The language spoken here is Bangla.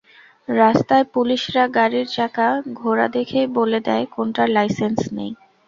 রাস্তায় পুলিশরা গাড়ির চাকা ঘোরা দেখেই বলে দেয়, কোনটার লাইসেন্স নেই।